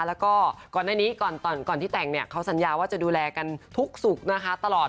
แล้วก็ก่อนในก่อนที่แต่งเขาสัญญาว่าจะดูแลกันทุกศุกร์ตลอด